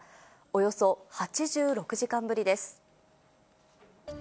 およそ８６時間ぶりです。